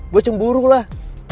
gue cemburu lah